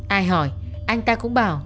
ai hỏi anh ta cũng bảo